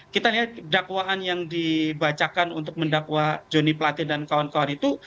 kita lihat dakwaan yang dibacakan untuk mendakwa joni platin dan kawan kawan itu